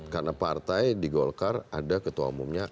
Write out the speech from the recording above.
karena partai di golkar ada ketua umumnya